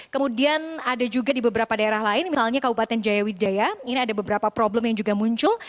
kemudian ada juga di beberapa daerah lain misalnya kabupaten jaya widaya ini ada beberapa problem yang juga muncul